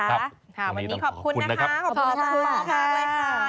วันนี้ขอบคุณนะคะขอบคุณมาก